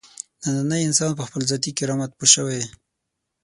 نننی انسان په خپل ذاتي کرامت پوه شوی.